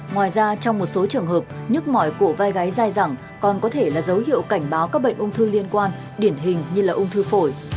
ngoài ra trong một số trường hợp nhức mỏi của vai gái dài dẳng còn có thể là dấu hiệu cảnh báo các bệnh ung thư liên quan điển hình như là ung thư phổi